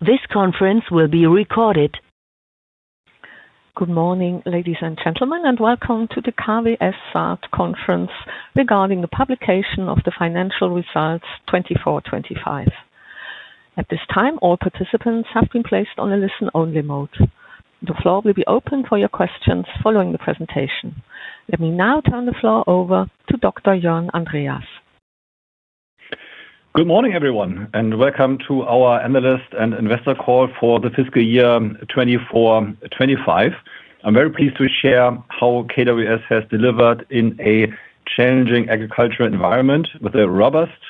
This conference will be recorded. Good morning, ladies and gentlemen, and welcome to the KWS SAAT SE & Co. KGaA Conference regarding the publication of the financial results 2024/2025. At this time, all participants have been placed on a listen-only mode. The floor will be open for your questions following the presentation. Let me now turn the floor over to Dr. Jörn Andreas. Good morning, everyone, and welcome to our analyst and investor call for the fiscal year 2024/2025. I'm very pleased to share how KWS has delivered in a challenging agricultural environment with a robust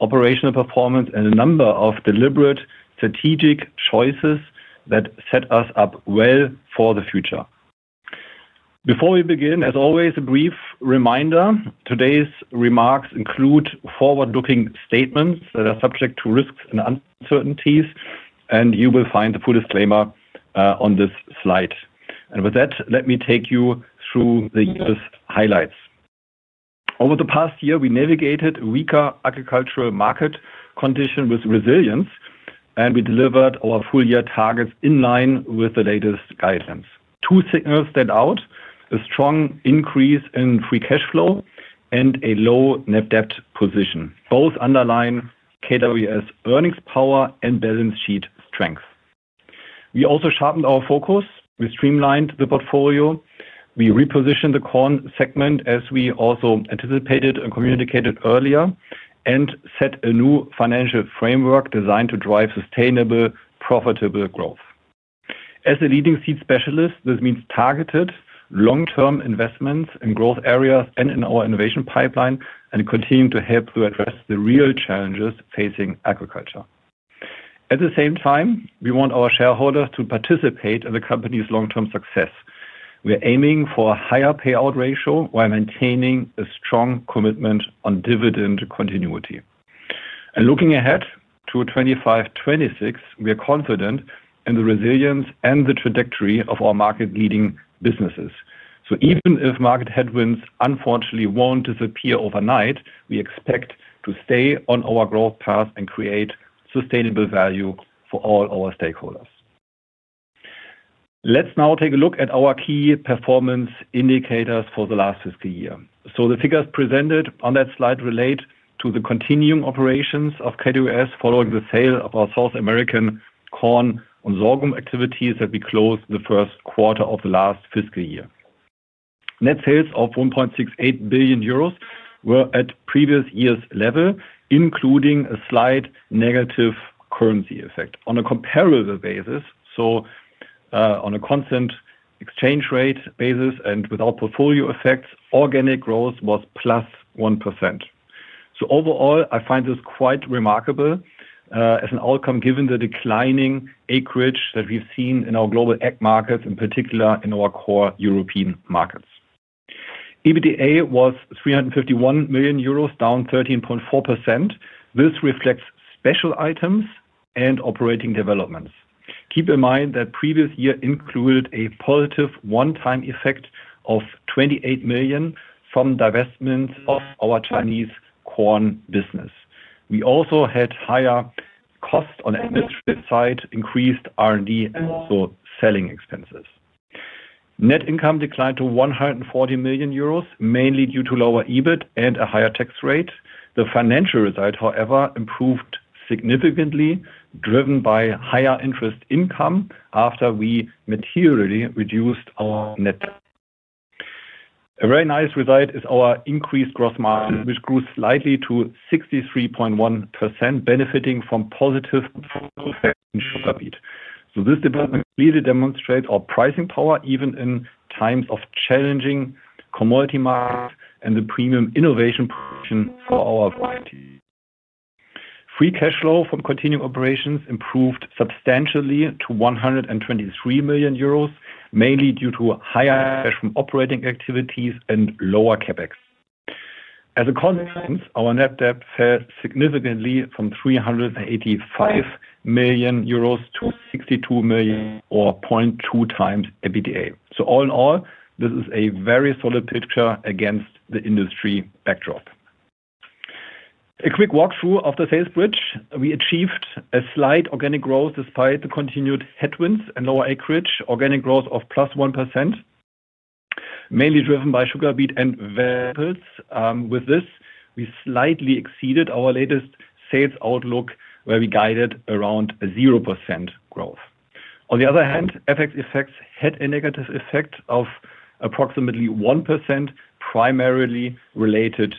operational performance and a number of deliberate strategic choices that set us up well for the future. Before we begin, as always, a brief reminder: today's remarks include forward-looking statements that are subject to risks and uncertainties, and you will find the full disclaimer on this slide. With that, let me take you through the year's highlights. Over the past year, we navigated weaker agricultural market conditions with resilience, and we delivered our full-year targets in line with the latest guidance. Two signals stood out: a strong increase in free cash flow and a low net debt position. Both underline KWS' earnings power and balance sheet strength. We also sharpened our focus, we streamlined the portfolio, we repositioned the corn segment as we also anticipated and communicated earlier, and set a new financial framework designed to drive sustainable, profitable growth. As a leading seed specialist, this means targeted long-term investments in growth areas and in our innovation pipeline, and continue to help to address the real challenges facing agriculture. At the same time, we want our shareholders to participate in the company's long-term success. We're aiming for a higher payout ratio while maintaining a strong commitment on dividend continuity. Looking ahead to 2025/2026, we are confident in the resilience and the trajectory of our market-leading businesses. Even if market headwinds unfortunately won't disappear overnight, we expect to stay on our growth path and create sustainable value for all our stakeholders. Let's now take a look at our key performance indicators for the last fiscal year. The figures presented on that slide relate to the continuing operations of KWS following the sale of our South American corn and sorghum activities that we closed the first quarter of the last fiscal year. Net sales of €1.68 billion were at previous year's level, including a slight negative currency effect. On a comparable basis, so on a constant exchange rate basis and without portfolio effects, organic growth was +1%. Overall, I find this quite remarkable as an outcome given the declining acreage that we've seen in our global ag markets, in particular in our core European markets. EBITDA was €351 million, down 13.4%. This reflects special items and operating developments. Keep in mind that the previous year included a positive one-time effect of €28 million from divestment of our Chinese corn business. We also had higher costs on the industry side, increased R&D, and selling expenses. Net income declined to €140 million, mainly due to lower EBIT and a higher tax rate. The financial result, however, improved significantly, driven by higher interest income after we materially reduced our net debt. A very nice result is our increased gross margin, which grew slightly to 63.1%, benefiting from positive performance in sugar beet. This development really demonstrates our pricing power even in times of challenging commodity markets and the premium innovation portion of our market. Free cash flow from continuing operations improved substantially to €123 million, mainly due to higher cash from operating activities and lower CapEx. As a consequence, our net debt fell significantly from €385 million to €62 million, or 0.2 times EBITDA. All in all, this is a very solid picture against the industry backdrop. A quick walkthrough of the sales bridge. We achieved slight organic growth despite the continued headwinds and lower acreage, organic growth of plus 1%, mainly driven by sugar beet and vegetables. With this, we slightly exceeded our latest sales outlook where we guided around 0% growth. On the other hand, FX effects had a negative effect of approximately 1%, primarily related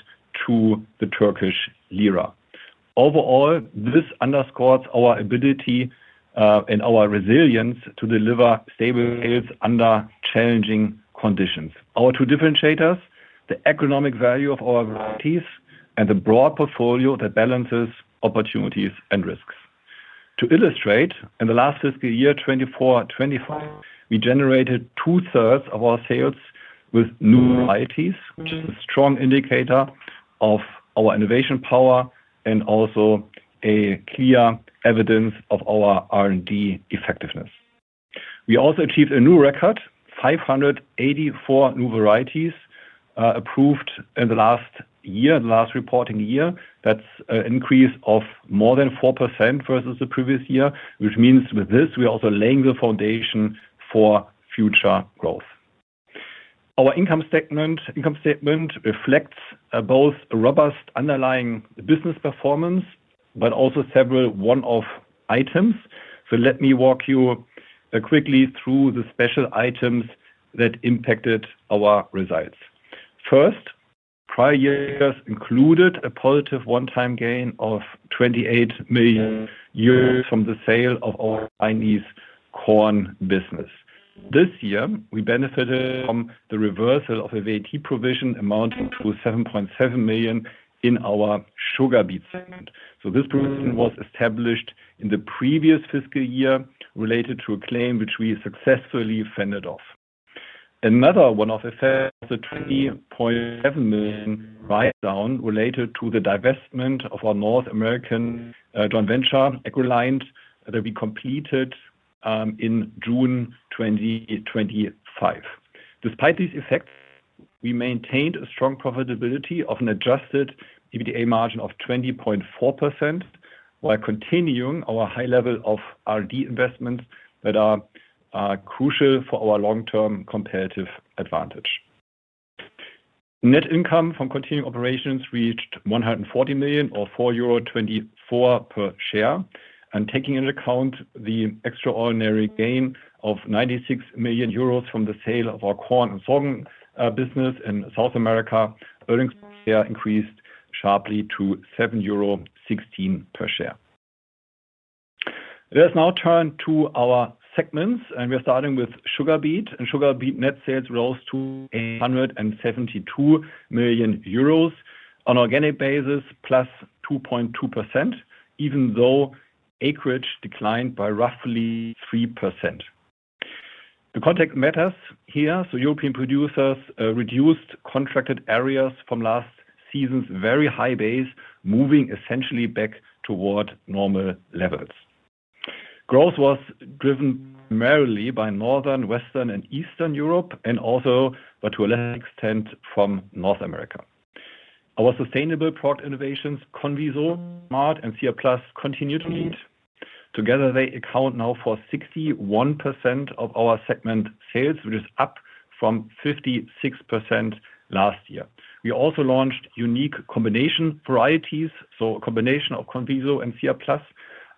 to the Turkish lira. Overall, this underscores our ability and our resilience to deliver stable sales under challenging conditions. Our two differentiators: the economic value of our varieties and the broad portfolio that balances opportunities and risks. To illustrate, in the last fiscal year 2024/2025, we generated two-thirds of our sales with new varieties, with a strong indicator of our innovation power and also a clear evidence of our R&D effectiveness. We also achieved a new record: 584 new varieties approved in the last year, the last reporting year. That's an increase of more than 4% versus the previous year, which means with this, we're also laying the foundation for future growth. Our income statement reflects both robust underlying business performance, but also several one-off items. Let me walk you quickly through the special items that impacted our results. First, prior years included a positive one-time gain of €28 million from the sale of our Chinese corn business. This year, we benefited from the reversal of a VAT provision amounting to €7.7 million in our sugar beet segment. This provision was established in the previous fiscal year related to a claim which we successfully fended off. Another one-off effect is the €20.7 million write-down related to the divestment of our North American joint venture, AgReliant Genetics LLC, that we completed in June 2025. Despite these effects, we maintained a strong profitability of an adjusted EBITDA margin of 20.4% while continuing our high level of R&D investments that are crucial for our long-term competitive advantage. Net income from continuing operations reached €140 million or €4.24 per share, and taking into account the extraordinary gain of €96 million from the sale of our corn and sorghum business in South America, earnings per share increased sharply to €7.16 per share. Let's now turn to our segments, and we're starting with sugar beet. Sugar beet net sales rose to €872 million on an organic basis, plus 2.2%, even though acreage declined by roughly 3%. The context matters here, as European producers reduced contracted areas from last season's very high base, moving essentially back toward normal levels. Growth was driven primarily by Northern, Western, and Eastern Europe, and also, but to a lesser extent, from North America. Our sustainable product innovations: Conviso, Smart, and Sea Plus continue to lead. Together, they account now for 61% of our segment sales, which is up from 56% last year. We also launched unique combination varieties, a combination of Conviso and Sea Plus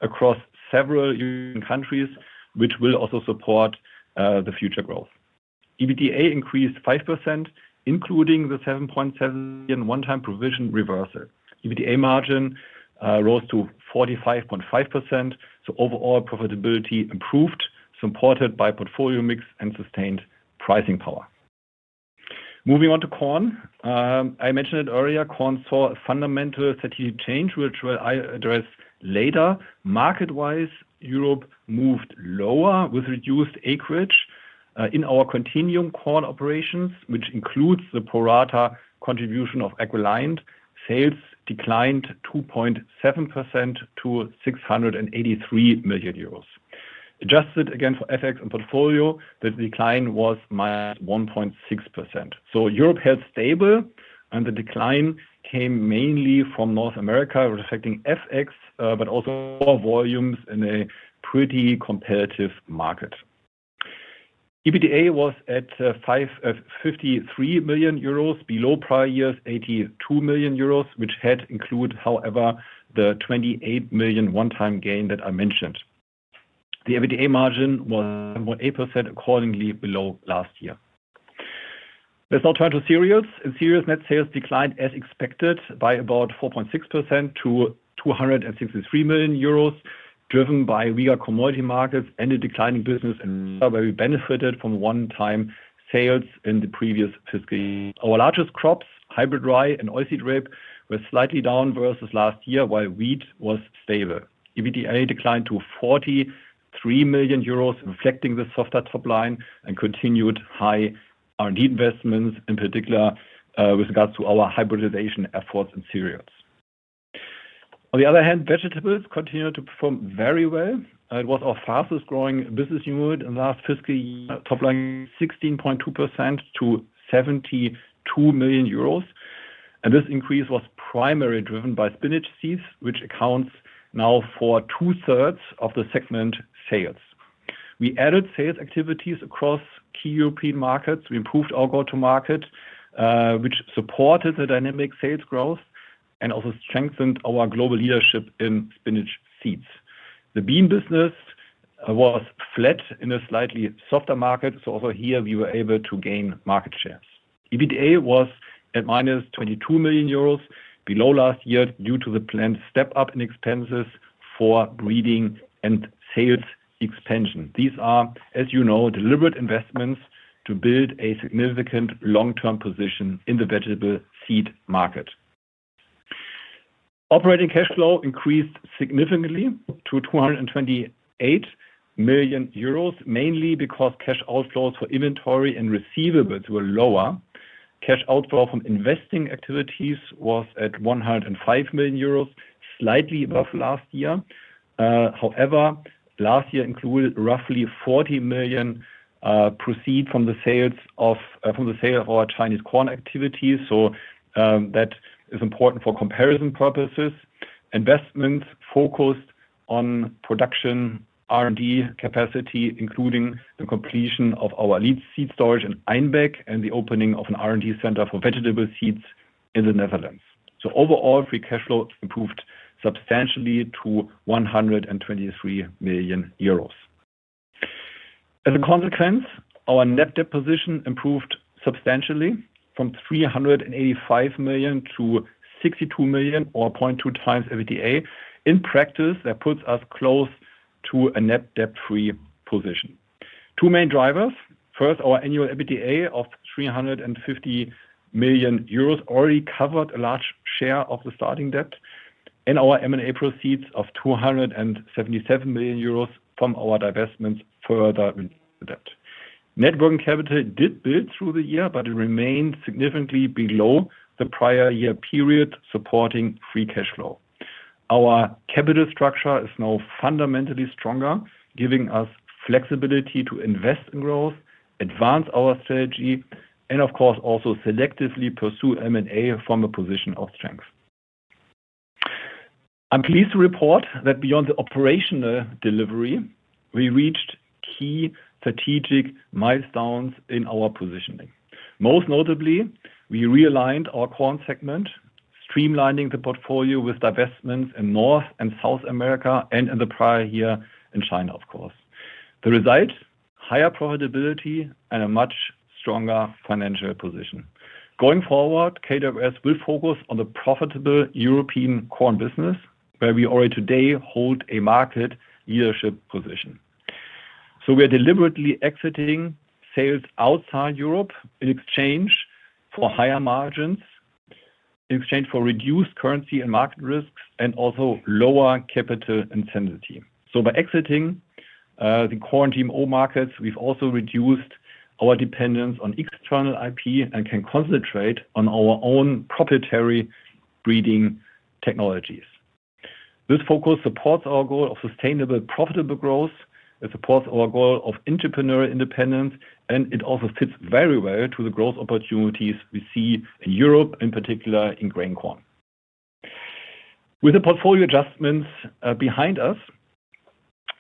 across several European countries, which will also support the future growth. EBITDA increased 5%, including the 7.7% one-time provision reversal. EBITDA margin rose to 45.5%, so overall profitability improved, supported by portfolio mix and sustained pricing power. Moving on to corn, I mentioned it earlier, corn saw a fundamental strategic change, which I address later. Market-wise, Europe moved lower with reduced acreage. In our continuing corn operations, which includes the pro-rata contribution of AgReliant Genetics LLC, sales declined 2.7% to €683 million. Adjusted again for FX and portfolio, the decline was minus 1.6%. Europe held stable, and the decline came mainly from North America, reflecting FX, but also corn volumes in a pretty competitive market. EBITDA was at €53 million, below prior year's €82 million, which had included, however, the €28 million one-time gain that I mentioned. The EBITDA margin was 1.8%, accordingly below last year. Let's now turn to cereals. In cereals, net sales declined as expected by about 4.6% to €263 million, driven by weaker commodity markets and a declining business in sub-areas that benefited from one-time sales in the previous fiscal year. Our largest crops, hybrid rye and oilseed rape, were slightly down versus last year, while wheat was stable. EBITDA declined to €43 million, reflecting the softer top line and continued high R&D investments, in particular with regards to our hybridization efforts in cereals. On the other hand, vegetables continue to perform very well. It was our fastest growing business unit in the last fiscal year, toppling 16.2% to €72 million. This increase was primarily driven by spinach seeds, which accounts now for two-thirds of the segment sales. We added sales activities across key European markets. We improved our go-to-market, which supported the dynamic sales growth and also strengthened our global leadership in spinach seeds. The bean business was flat in a slightly softer market, so also here we were able to gain market shares. EBITDA was at minus €22 million, below last year due to the planned step-up in expenses for breeding and sales expansion. These are, as you know, deliberate investments to build a significant long-term position in the vegetable seed market. Operating cash flow increased significantly to €228 million, mainly because cash outflows for inventory and receivables were lower. Cash outflow from investing activities was at €105 million, slightly above last year. However, last year included roughly €40 million proceeds from the sales of our Chinese corn activities, so that is important for comparison purposes. Investments focused on production R&D capacity, including the completion of our lead seed storage in Einbeck and the opening of an R&D center for vegetable seeds in the Netherlands. Overall, free cash flow improved substantially to €123 million. As a consequence, our net debt position improved substantially from €385 million to €62 million, or 0.2 times EBITDA. In practice, that puts us close to a net debt-free position. Two main drivers: first, our annual EBITDA of €350 million already covered a large share of the starting debt, and our M&A proceeds of €277 million from our divestments further in the debt. Networking capital did build through the year, but it remained significantly below the prior year period, supporting free cash flow. Our capital structure is now fundamentally stronger, giving us flexibility to invest in growth, advance our strategy, and of course, also selectively pursue M&A from a position of strength. I'm pleased to report that beyond the operational delivery, we reached key strategic milestones in our positioning. Most notably, we realigned our corn segment, streamlining the portfolio with divestments in North America and South America and in the prior year in China, of course. The result: higher profitability and a much stronger financial position. Going forward, KWS will focus on the profitable European corn business, where we already today hold a market leadership position. We are deliberately exiting sales outside Europe in exchange for higher margins, in exchange for reduced currency and market risks, and also lower capital intensity. By exiting the corn GMO markets, we've also reduced our dependence on external IP and can concentrate on our own proprietary breeding technologies. This focus supports our goal of sustainable, profitable growth. It supports our goal of entrepreneurial independence, and it also fits very well to the growth opportunities we see in Europe, in particular in grain corn. With the portfolio adjustments behind us,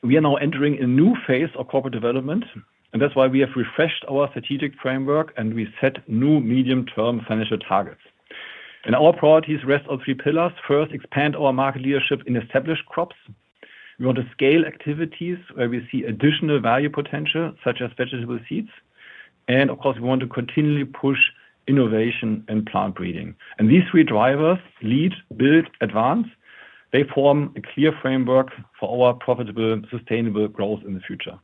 we are now entering a new phase of corporate development, and that's why we have refreshed our strategic framework and reset new medium-term financial targets. Our priorities rest on three pillars. First, expand our market leadership in established crops. We want to scale activities where we see additional value potential, such as vegetable seed. We want to continually push innovation and plant breeding. These three drivers: lead, build, advance. They form a clear framework for our profitable, sustainable growth in the future.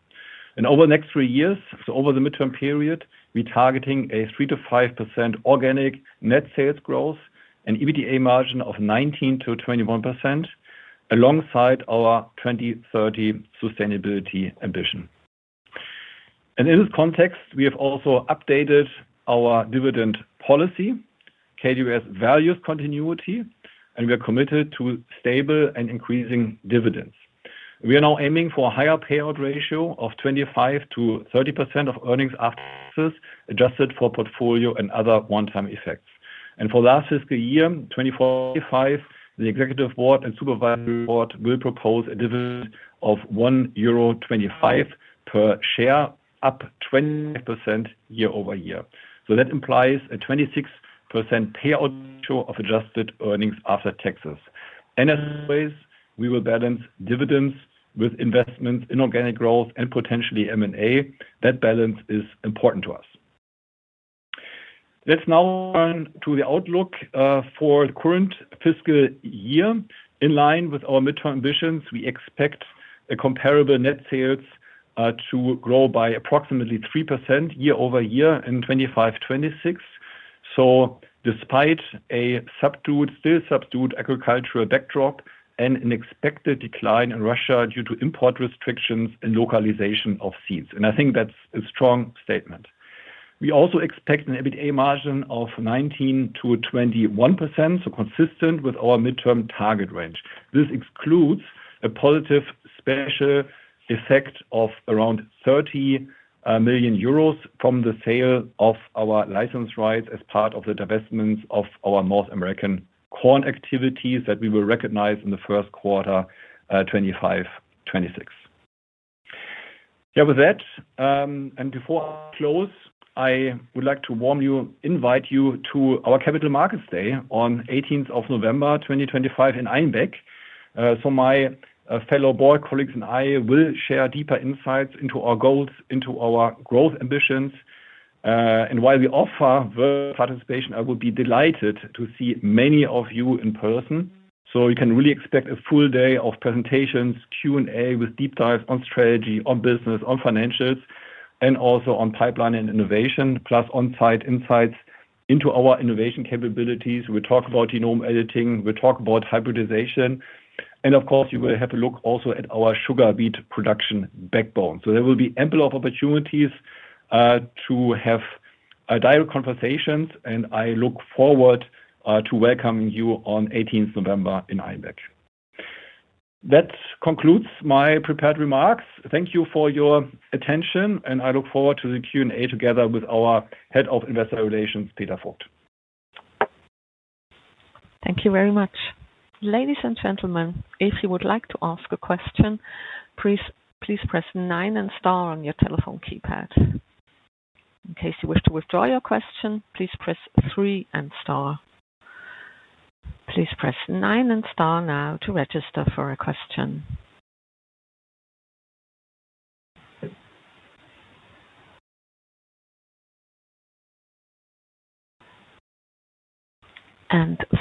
Over the next three years, so over the midterm period, we're targeting a 3% to 5% organic net sales growth and EBITDA margin of 19% to 21%, alongside our 2030 sustainability ambition. In this context, we have also updated our dividend policy. KWS values continuity, and we are committed to stable and increasing dividends. We are now aiming for a higher payout ratio of 25% to 30% of earnings assets, adjusted for portfolio and other one-time effects. For the last fiscal year, 2024/2025, the Executive Board and Supervisory Board will propose a dividend of €1.25 per share, up 25% year over year. That implies a 26% payout ratio of adjusted earnings after taxes. As always, we will balance dividends with investments in organic growth and potentially M&A. That balance is important to us. Let's now turn to the outlook for the current fiscal year. In line with our midterm visions, we expect comparable net sales to grow by approximately 3% year over year in 2025/2026. Despite a still subdued agricultural backdrop and an expected decline in Russia due to import restrictions and localization of seeds, I think that's a strong statement. We also expect an EBITDA margin of 19% to 21%, consistent with our midterm target range. This excludes a positive special effect of around €30 million from the sale of our license rights as part of the divestments of our North American corn activities that we will recognize in the first quarter 2025/2026. With that, and before I close, I would like to invite you to our Capital Markets Day on November 18, 2025, in Einbeck. My fellow Board colleagues and I will share deeper insights into our goals and our growth ambitions. While we offer virtual participation, I will be delighted to see many of you in person. You can really expect a full day of presentations, Q&A with deep dives on strategy, business, financials, and also on pipeline and innovation, plus on-site insights into our innovation capabilities. We'll talk about genome editing, we'll talk about hybridization, and of course, you will have a look also at our sugar beet production backbone. There will be ample opportunities to have direct conversations, and I look forward to welcoming you on November 18 in Einbeck. That concludes my prepared remarks. Thank you for your attention, and I look forward to the Q&A together with our Head of Investor Relations, Peter Voigt. Thank you very much. Ladies and gentlemen, if you would like to ask a question, please press 9 and star on your telephone keypad. In case you wish to withdraw your question, please press 3 and star. Please press 9 and star now to register for a question.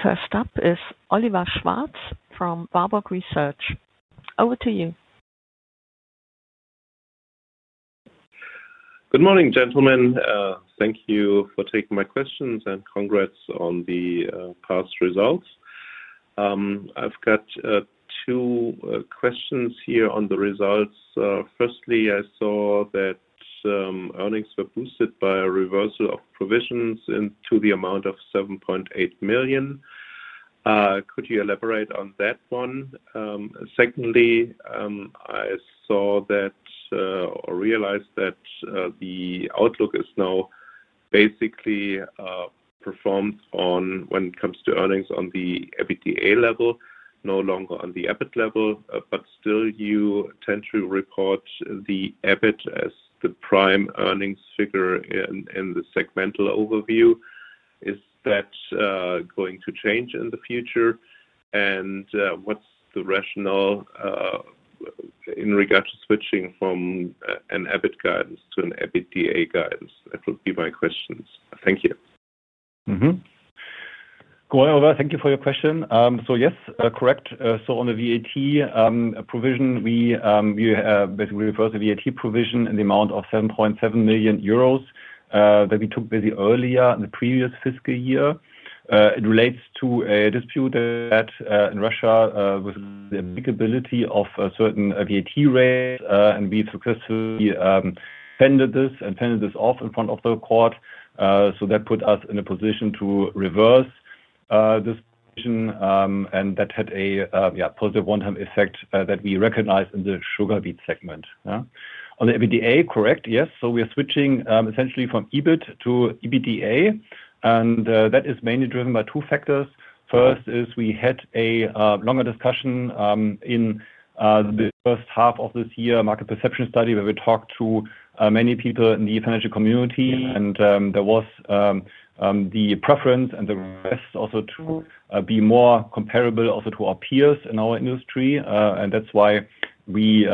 First up is Oliver Schwarz from Warburg Research. Over to you. Good morning, gentlemen. Thank you for taking my questions and congrats on the past results. I've got two questions here on the results. Firstly, I saw that earnings were boosted by a reversal of provisions to the amount of €7.8 million. Could you elaborate on that one? Secondly, I saw that or realized that the outlook is now basically performed on when it comes to earnings on the EBITDA level, no longer on the EBIT level, but still you tend to record the EBIT as the prime earnings figure in the segmental overview. Is that going to change in the future? What's the rationale in regard to switching from an EBIT guidance to an EBITDA guidance? That would be my questions. Thank you. Thank you for your question. Yes, correct. On the VAT provision, we basically reversed the VAT provision in the amount of €7.7 million that we took earlier in the previous fiscal year. It relates to a dispute in Russia regarding the applicability of a certain VAT rate, and we successfully fended this off in front of the court. That put us in a position to reverse this provision, and that had a positive one-time effect that we recognize in the sugar beet segment. On the EBITDA, correct, yes. We are switching essentially from EBIT to EBITDA, and that is mainly driven by two factors. First, we had a longer discussion in the first half of this year, a market perception study where we talked to many people in the financial community, and there was the preference and the request to be more comparable to our peers in our industry. That is why we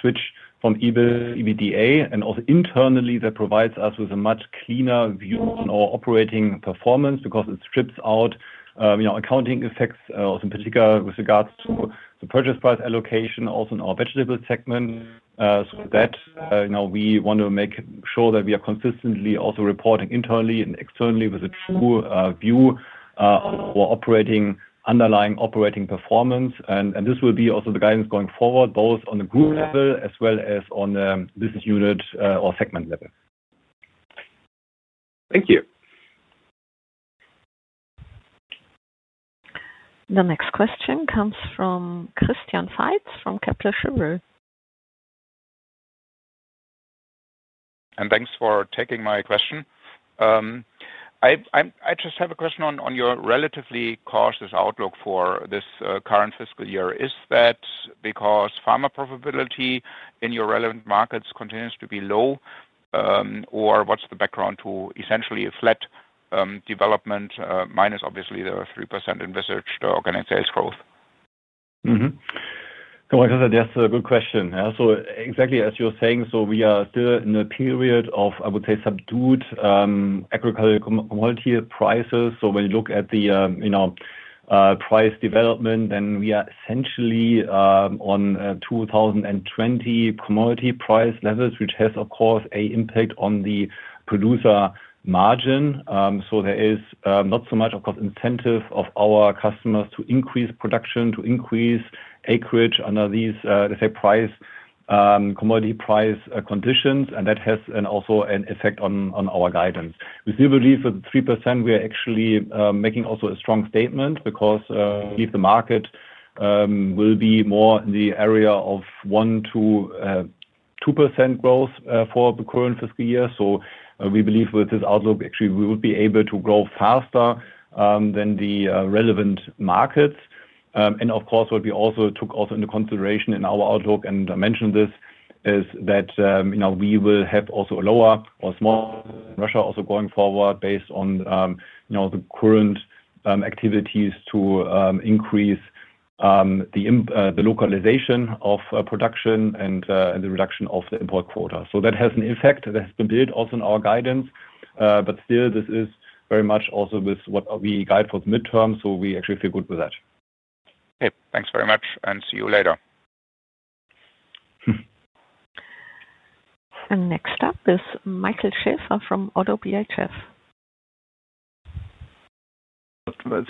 switched to EBITDA, and also internally that provides us with a much cleaner view on our operating performance because it strips out accounting effects, in particular with regards to the purchase price allocation in our vegetable segment. We want to make sure that we are consistently reporting internally and externally with a true view on our underlying operating performance. This will also be the guidance going forward, both on the group level as well as on the business unit or segment level. Thank you. The next question comes from Christian Seitz from Kepler Cheuvreux. Thank you for taking my question. I just have a question on your relatively cautious outlook for this current fiscal year. Is that because farmer profitability in your relevant markets continues to be low, or what's the background to essentially a flat development minus obviously the 3% envisaged organic sales growth? That's a good question. Exactly as you're saying, we are still in a period of, I would say, subdued agricultural commodity prices. When you look at the price development, we are essentially on 2020 commodity price levels, which has, of course, an impact on the producer margin. There is not so much, of course, incentive for our customers to increase production, to increase acreage under these, let's say, commodity price conditions. That has also an effect on our guidance. We still believe with the 3%, we are actually making also a strong statement because we believe the market will be more in the area of 1% to 2% growth for the current fiscal year. We believe with this outlook, actually, we would be able to grow faster than the relevant markets. What we also took into consideration in our outlook, and I mentioned this, is that we will have also a lower or smaller growth in Russia going forward based on the current activities to increase the localization of production and the reduction of the import quota. That has an effect that has been built also in our guidance. This is very much also with what we guide for the midterm. We actually feel good with that. Okay, thanks very much, and see you later. Next up is Michael Schaefer from AutoBHF.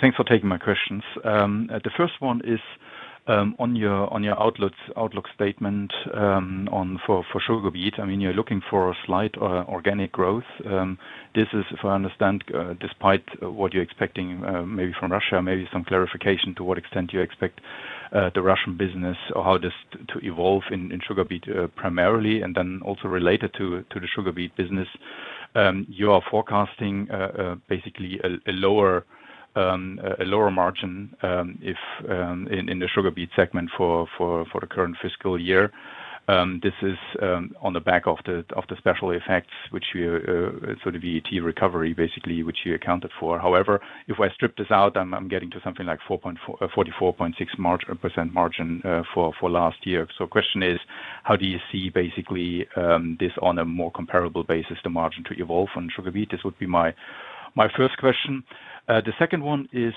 Thanks for taking my questions. The first one is on your outlook statement for sugar beet. I mean, you're looking for a slight organic growth. This is, if I understand, despite what you're expecting maybe from Russia, maybe some clarification to what extent you expect the Russian business or how this to evolve in sugar beet primarily, and then also related to the sugar beet business. You are forecasting basically a lower margin in the sugar beet segment for the current fiscal year. This is on the back of the special effects, which are sort of VAT recovery, basically, which you accounted for. However, if I strip this out, I'm getting to something like 44.6% margin for last year. The question is, how do you see basically this on a more comparable basis, the margin to evolve on sugar beet? This would be my first question. The second one is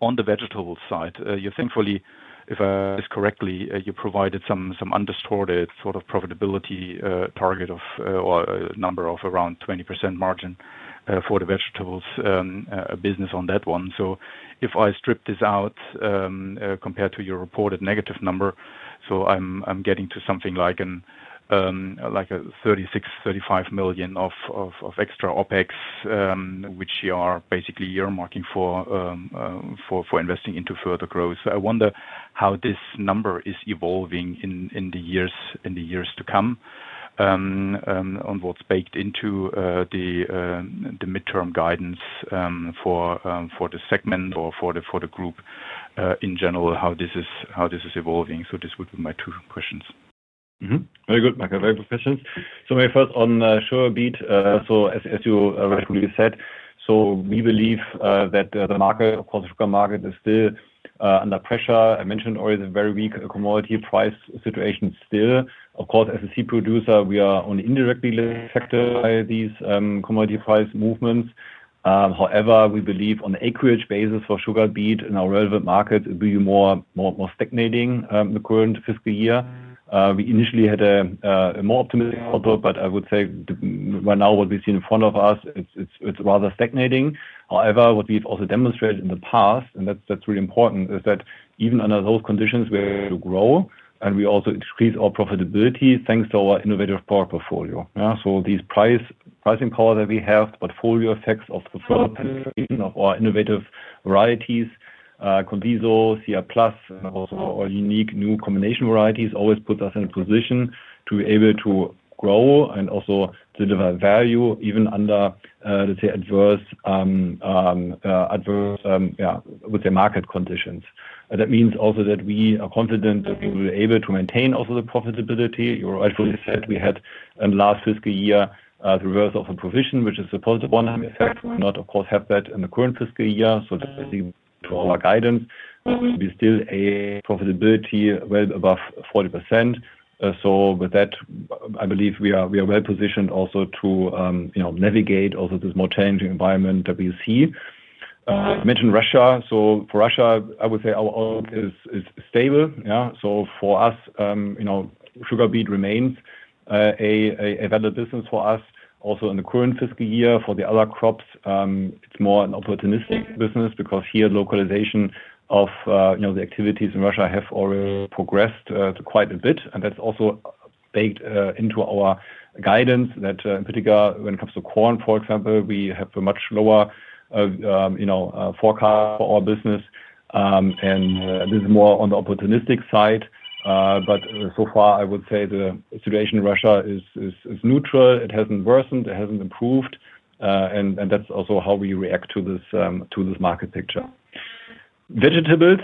on the vegetable side. You, thankfully, if I understand this correctly, provided some undistorted sort of profitability target of a number of around 20% margin for the vegetable business on that one. If I strip this out compared to your reported negative number, I'm getting to something like $36 million, $35 million of extra OpEx, which you are basically earmarking for investing into further growth. I wonder how this number is evolving in the years to come and what's baked into the midterm guidance for the segment or for the group in general, how this is evolving. This would be my two questions. Very good, Michael. Very good questions. Maybe first on sugar beet. As you said, we believe that the market, of course, the sugar market is still under pressure. I mentioned already the very weak commodity price situation still. Of course, as a seed producer, we are only indirectly affected by these commodity price movements. However, we believe on the acreage basis for sugar beet in our relevant markets it will be more stagnating in the current fiscal year. We initially had a more optimistic outlook, but I would say right now what we see in front of us, it's rather stagnating. What we've also demonstrated in the past, and that's really important, is that even under those conditions, we're able to grow and we also increase our profitability thanks to our innovative product portfolio. These pricing powers that we have, the portfolio effects of the further penetration of our innovative varieties, Conviso, Sea Plus, and also our unique new combination varieties always put us in a position to be able to grow and also deliver value even under, let's say, adverse, I would say, market conditions. That means we are confident that we will be able to maintain also the profitability. You rightfully said we had in the last fiscal year the reverse of the provision, which is a positive one-time effect. We do not, of course, have that in the current fiscal year. That's basically to our guidance. We still have profitability well above 40%. With that, I believe we are well positioned also to navigate this more challenging environment that we see. You mentioned Russia. For Russia, I would say our outlook is stable. For us, you know, sugar beet remains a valid business for us. Also in the current fiscal year, for the other crops, it's more an opportunistic business because here the localization of the activities in Russia has already progressed quite a bit. That's also baked into our guidance that in particular when it comes to corn, for example, we have a much lower forecast for our business. This is more on the opportunistic side. So far, I would say the situation in Russia is neutral. It hasn't worsened. It hasn't improved. That's also how we react to this market picture. Vegetables,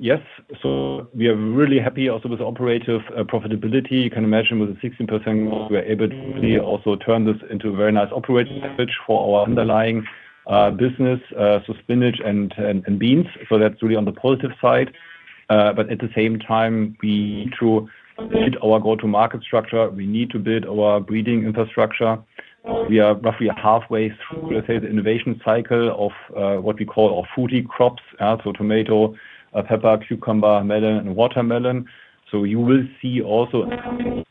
yes. We are really happy also with the operative profitability. You can imagine with a 16%, we're able to really also turn this into a very nice operating effort for our underlying business, so spinach and beans. That's really on the positive side. At the same time, we need to hit our go-to-market structure. We need to build our breeding infrastructure. We are roughly halfway through, let's say, the innovation cycle of what we call our foodie crops: tomato, pepper, cucumber, melon, and watermelon. You will see also,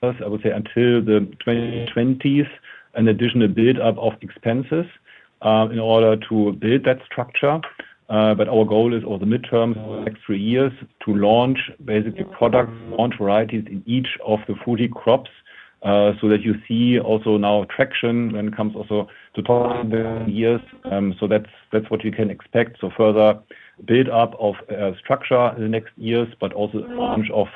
I would say, until the 2020s, an additional build-up of expenses in order to build that structure. Our goal is over the midterms, over the next three years, to launch basically products, launch varieties in each of the foodie crops so that you see also now traction when it comes also to the years. That's what you can expect. Further build-up of structure in the next years, but also a bunch of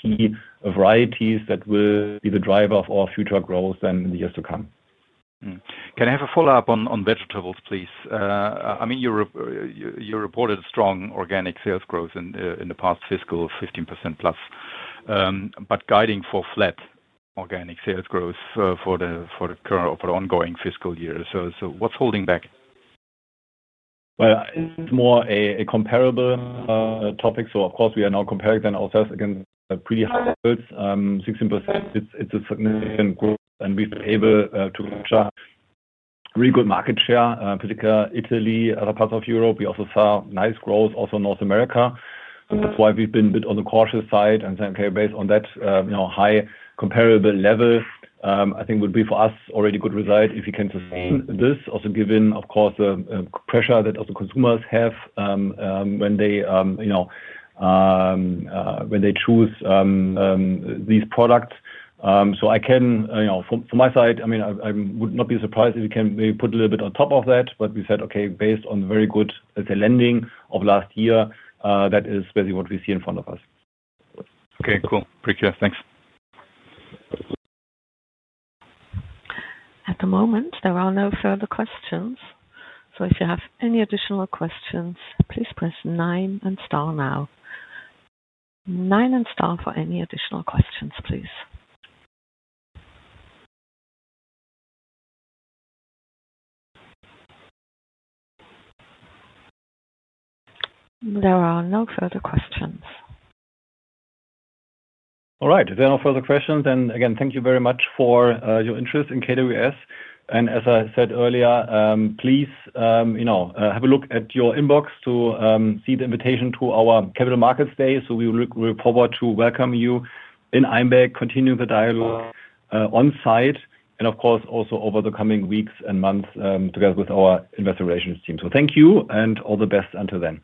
key varieties that will be the driver of our future growth in the years to come. Can I have a follow-up on vegetables, please? I mean, you reported a strong organic sales growth in the past fiscal, 15%+, but guiding for flat organic sales growth for the current or for the ongoing fiscal year. What's holding back? It's more a comparable topic. Of course, we are now comparing ourselves against pretty 16%. It's a significant growth, and we've been able to capture really good market share, particularly Italy, other parts of Europe. We also saw nice growth also in North America. That's why we've been a bit on the cautious side and saying, okay, based on that high comparable level, I think it would be for us already a good result if we can sustain this, also given, of course, the pressure that also consumers have when they choose these products. I can, from my side, I mean, I would not be surprised if you can maybe put a little bit on top of that. We said, okay, based on the very good, let's say, landing of last year, that is basically what we see in front of us. Okay, cool. Appreciate it. Thanks. At the moment, there are no further questions. If you have any additional questions, please press nine and star now. Nine and star for any additional questions, please. There are no further questions. All right. If there are no further questions, then again, thank you very much for your interest in KWS. As I said earlier, please, you know, have a look at your inbox to see the invitation to our Capital Markets Day. We look forward to welcome you in Einbeck, continue the dialogue on site, and of course, also over the coming weeks and months together with our Investor Relations team. Thank you and all the best until then.